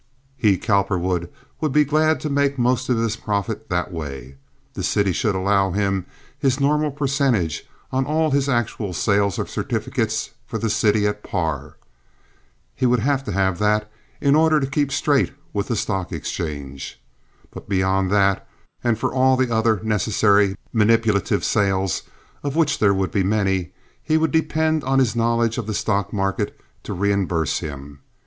He, Cowperwood, would be glad to make most of his profit that way. The city should allow him his normal percentage on all his actual sales of certificates for the city at par (he would have to have that in order to keep straight with the stock exchange); but beyond that, and for all the other necessary manipulative sales, of which there would be many, he would depend on his knowledge of the stock market to reimburse him.